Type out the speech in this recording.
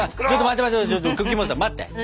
ちょっと待って待って。